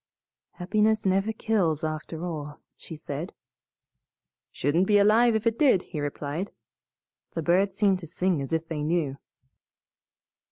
"Happiness never kills, after all," she said. "Shouldn't be alive if it did," he replied. "The birds seem to sing as if they knew."